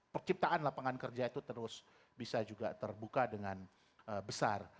perciptaan lapangan kerja itu terus bisa juga terbuka dengan besar